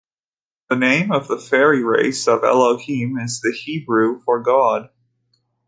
The name of the fairy race of "Elohim" is the Hebrew for God.